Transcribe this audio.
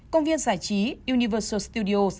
công viên giải trí universal studios